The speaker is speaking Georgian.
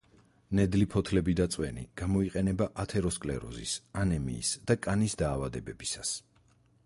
ნედლი ფოთლები და წვენი გამოიყენება ათეროსკლეროზის, ანემიის და კანის დაავადებებისას.